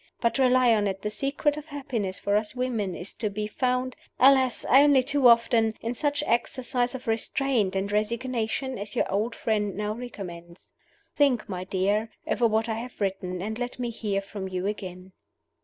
But, rely on it, the secret of happiness for us women is to be found (alas! only too often) in such exercise of restraint and resignation as your old friend now recommends. Think, my dear, over what I have written, and let me hear from you again."